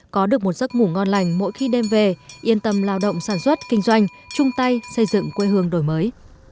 có được một giấc ngủ ngon lành mỗi khi đem về yên tâm lao động sản xuất kinh doanh chung tay xây dựng quê hương đổi mới